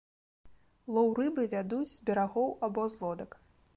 Лоў рыбы вядуць з берагоў або з лодак.